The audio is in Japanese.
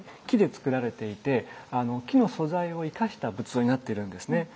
木でつくられていて木の素材を生かした仏像になってるんですね。